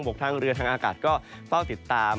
กทางเรือทางอากาศก็เฝ้าติดตาม